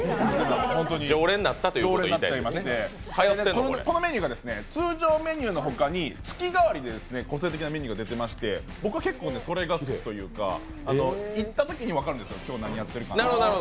常連になっちゃいましてこのメニューが通常メニューの他に月替わりで個性的なメニューが出ていまして僕は結構それが好きというか、行ったときに分かるんですよ、今日何やってるか。